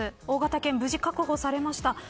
大型犬、無事確保されました。